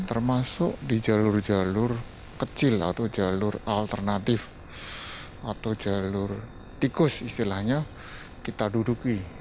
termasuk di jalur jalur kecil atau jalur alternatif atau jalur tikus istilahnya kita duduki